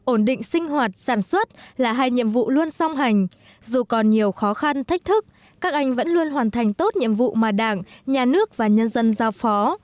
ổn định sinh hoạt sản xuất là hai nhiệm vụ luôn song hành dù còn nhiều khó khăn thách thức các anh vẫn luôn hoàn thành tốt nhiệm vụ mà đảng nhà nước và nhân dân giao phó